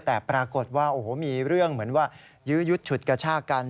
แต่ปรากฏว่ามีเรื่องเหมือนว่ายืดชุดกัชทากัน